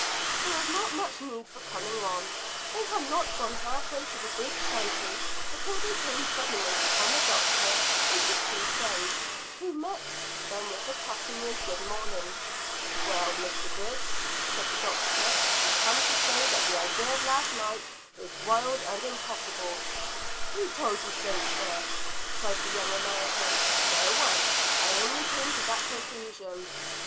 There was not much need for coming on. They had not gone half way to the big shanty before they came suddenly upon the doctor and his two friends, who met them with the customary good morning. "Well, Mr Griggs," said the doctor, "you've come to say that the idea of last night is wild and impossible." "Who told you so, sir?" cried the young American. "No one. I only came to that conclusion."